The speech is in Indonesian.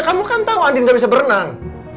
kamu kan tahu andin gak bisa berenang